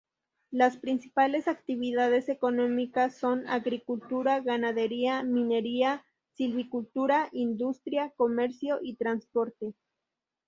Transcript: Las principales actividades económicas son: agricultura, ganadería, minería, silvicultura, industria, comercio y transporte.